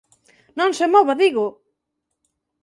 ¡Non se mova, digo!